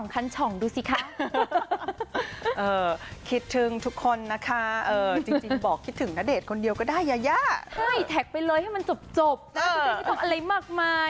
อ่อคิดถึงทุกคนนะคะพี่ณเดชน์ก็มาคอมเมนต์ในทันทีว่า